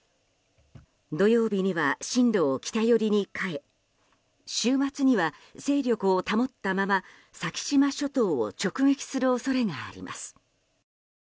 土曜日には、進路を北寄りに変え週末には勢力を保ったまま先島諸島を直撃する恐れがあります。